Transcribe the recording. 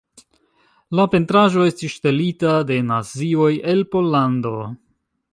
La pentraĵo estis ŝtelita de Nazioj el Pollando.